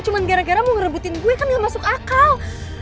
cuma gara gara mau ngerebutin gue kan gak masuk akal